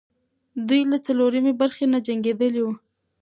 دوی له څلورمې برخې نه جنګېدلې وو.